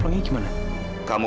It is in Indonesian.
junya jauh friends